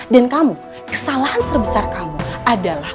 dan kamu kesalahan terbesar kamu adalah